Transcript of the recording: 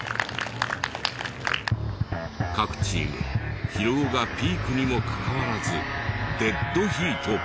各チーム疲労がピークにもかかわらずデッドヒート！